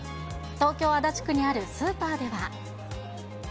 東京・足立区にあるスーパーでは。